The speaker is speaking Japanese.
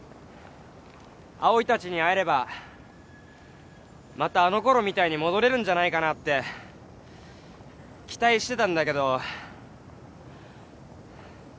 葵たちに会えればまたあのころみたいに戻れるんじゃないかなって期待してたんだけど。